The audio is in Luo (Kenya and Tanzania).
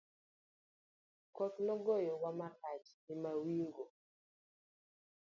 Koth nogoyo wa marach e mawingo.